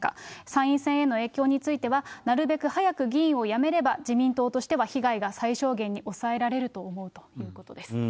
参院選への影響については、なるべく早く議員を辞めれば、自民党としては被害が最小限に抑えられると思うということです。